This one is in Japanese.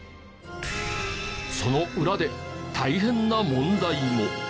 その裏で大変な問題も。